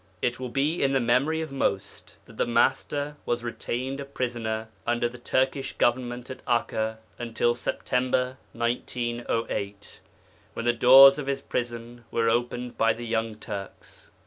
It will be in the memory of most that the Master was retained a prisoner under the Turkish Government at Akka until Sept. 1908, when the doors of His prison were opened by the Young Turks.